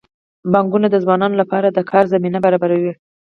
بانکونه د ځوانانو لپاره د کار زمینه برابروي.